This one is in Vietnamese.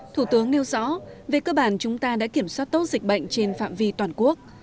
thủ tướng nêu rõ về cơ bản chúng ta đã kiểm soát tốt dịch bệnh trên phạm vi toàn quốc